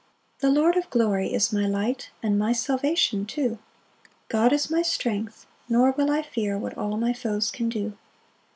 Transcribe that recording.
1 The Lord of glory is my light, And my salvation too; God is my strength, nor will I fear What all my foes can do.